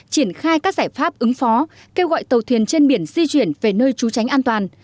triển khai các giải pháp ứng phó kêu gọi tàu thuyền trên biển di chuyển về nơi trú tránh an toàn